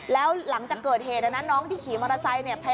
แล้วหลังจากเกิดเหตุนะน้องที่ขี่มอเตอร์ไซค์เนี่ย